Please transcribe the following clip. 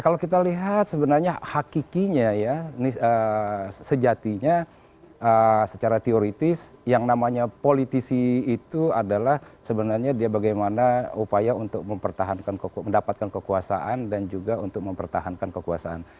kalau kita lihat sebenarnya hakikinya ya sejatinya secara teoritis yang namanya politisi itu adalah sebenarnya dia bagaimana upaya untuk mendapatkan kekuasaan dan juga untuk mempertahankan kekuasaan